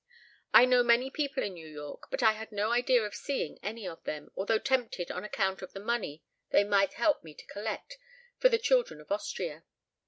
I know many people in New York, but I had no idea of seeing any of them, although tempted on account of the money they might help me to collect for the children of Austria.